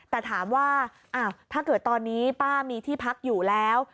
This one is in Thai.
แต่ถามว่าถ้าเกิดตอนนี้ป้ามีที่พักอยู่แล้ว